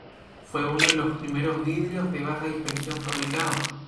Fue uno de los primeros vidrios de baja dispersión fabricados.